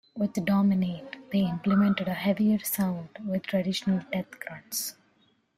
With "Dominate," they implemented a heavier sound with traditional death grunts.